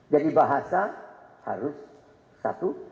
jadi bahasa harus satu